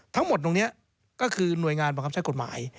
ทั้งหมดตรงนี้ก็คือหน่วยงานบังคับใช้กฎหมาย